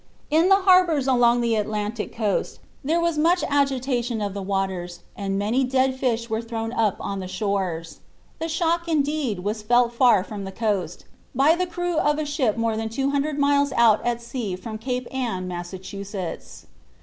In the harbors along the Atlantic coast there was much agitation of the waters and many dead fish were thrown up on the shores. The shock, indeed, was felt far from the coast, by the crew of a ship more than two hundred miles out at sea from Cape Ann, Massachusetts.